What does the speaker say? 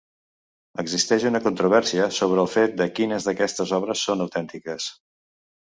Existeix una controvèrsia sobre el fet de quines d'aquestes obres són autèntiques.